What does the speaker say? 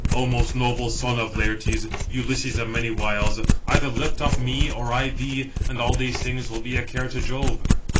"Ο most noble son of Laërtes, Ulysses of many wiles, either lift up me, or I thee, and all these things will be a care to Jove."